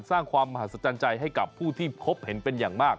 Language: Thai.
สร้างความมหัศจรรย์ใจให้กับผู้ที่พบเห็นเป็นอย่างมาก